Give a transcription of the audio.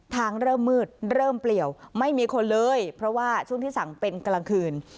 เริ่มมืดเริ่มเปลี่ยวไม่มีคนเลยเพราะว่าช่วงที่สั่งเป็นกลางคืน